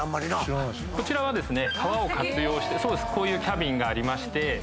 こちらは川を活用してこういうキャビンがありまして。